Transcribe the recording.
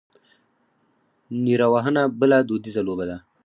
نیره وهنه بله دودیزه لوبه ده.